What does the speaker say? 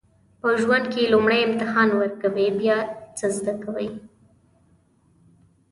په ژوند کې لومړی امتحان ورکوئ بیا یو څه زده کوئ.